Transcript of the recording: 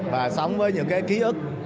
và sống với những cái ký ức